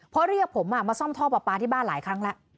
เพราะเรียกผมมาซ่อมท่อปลาปลาที่บ้านหลายครั้งแล้ว